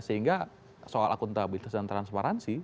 sehingga soal akuntabilitas dan transparansi